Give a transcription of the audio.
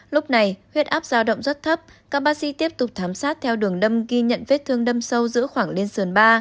lúc này huyết áp giao động rất thấp các bác sĩ tiếp tục thám sát theo đường đâm ghi nhận vết thương đâm sâu giữa khoảng lên sườn ba